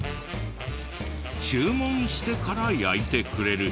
注文してから焼いてくれる。